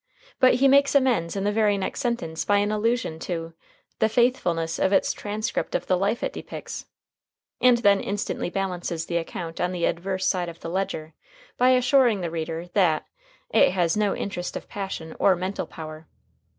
But he makes amends in the very next sentence by an allusion to "the faithfulness of its transcript of the life it depicts," and then instantly balances the account on the adverse side of the ledger by assuring the reader that "it has no interest of passion or mental power."